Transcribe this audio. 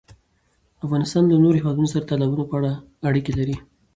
افغانستان له نورو هېوادونو سره د تالابونو په اړه اړیکې لري.